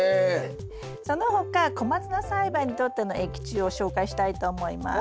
その他コマツナ栽培にとっての益虫を紹介したいと思います。